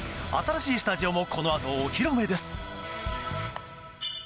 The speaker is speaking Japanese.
新しいスタジオもこのあとお披露目です！